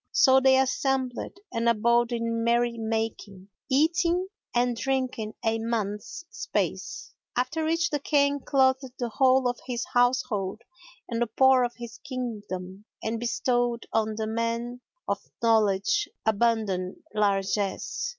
So they assembled and abode in merry making, eating and drinking a month's space, after which the King clothed the whole of his household and the poor of his Kingdom and bestowed on the men of knowledge abundant largesse.